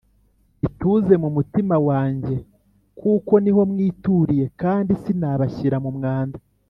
Nyituze mu mutima wanjye kuko niho mwituriye kandi sinabashyira mu mwanda!